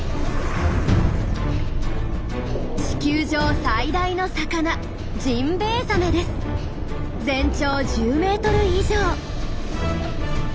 地球上最大の魚全長１０メートル以上。